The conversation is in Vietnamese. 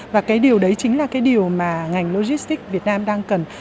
và điều đấy chính là điều mà ngành logistic việt nam đang cần